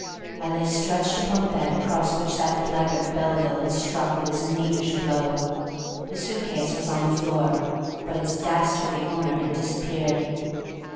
I lay stretched upon the bed across which that blackguard Belville had struck his knavish blow. The suit case was on the floor, but its dastardly owner had disappeared.